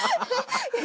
「え？